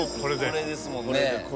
これですもんね。